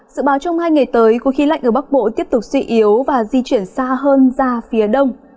dự báo trong hai ngày tới khối khí lạnh ở bắc bộ tiếp tục suy yếu và di chuyển xa hơn ra phía đông